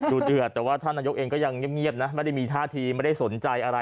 ดูเดือดแต่ว่าท่านนายกเองก็ยังเงียบนะไม่ได้มีท่าทีไม่ได้สนใจอะไร